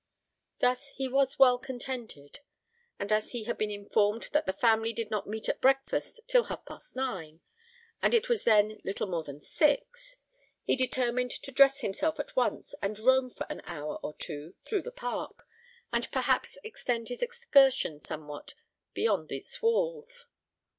Thus he was well contented; and as he had been informed that the family did not meet at breakfast till half past nine, and it was then little more than six, he determined to dress himself at once, and roam for an hour or two through the park, and perhaps extend his excursion somewhat beyond its walls.